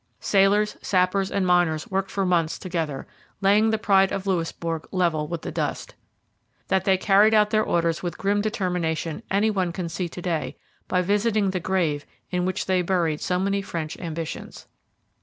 Sailors, sappers, and miners worked for months together, laying the pride of Louisbourg level with the dust. That they carried out their orders with grim determination any one can see to day by visiting the grave in which they buried so many French ambitions.